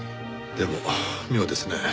でも妙ですね。